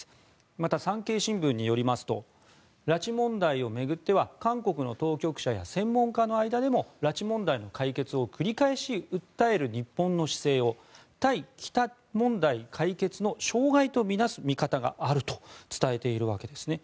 また、産経新聞によりますと拉致被害を巡っては韓国の当局者や専門家の間でも拉致問題の解決を繰り返し訴える日本の姿勢を対北問題解決の障害とみなす見方があると伝えているわけです。